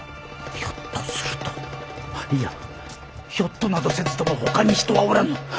ひょっとするといやひょっとなどせずともほかに人はおらぬ。